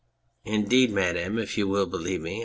Indeed, Madame (if you will believe me